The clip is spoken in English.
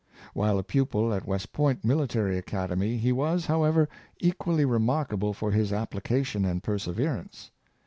While a pupil at West Point Military Academy he was, however, equally re markable for his application and perseverance.